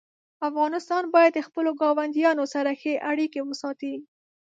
افغانستان باید د خپلو ګاونډیانو سره ښې اړیکې وساتي.